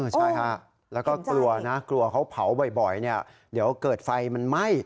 ใช่ฮะแล้วก็กลัวนะกลัวเขาเผาบ่อยเดี๋ยวเกิดไฟมันไหม้